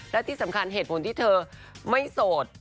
และที่สำคัญเหตุผลที่เธอไม่โสด